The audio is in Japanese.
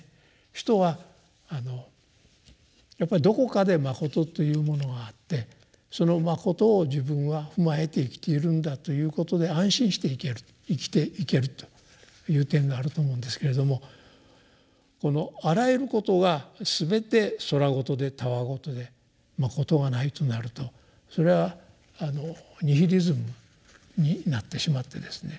人はやっぱりどこかでまことというものがあってそのまことを自分は踏まえて生きているんだということで安心していけると生きていけるという点があると思うんですけれどもこのあらゆることがすべて空言で戯言でまことがないとなるとそれはニヒリズムになってしまってですね